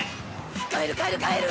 帰る帰る帰る！